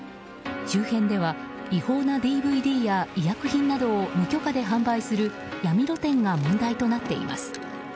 周辺では違法なＤＶＤや医薬品などを無許可で販売するヤミ露店が問題となっています。